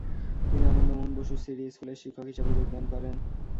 তিনি আনন্দমোহন বসুর সিটি স্কুলে শিক্ষক হিসাবে যোগ দান করেন।